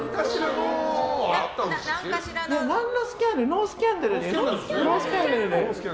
ノースキャンダルです。